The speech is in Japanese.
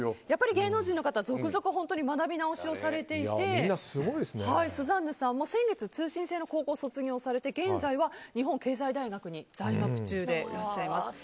やっぱり芸能人の方続々、学び直しをされていてスザンヌさんも先月通信制の高校を卒業されて現在は日本経済大学に在学中でいらっしゃいます。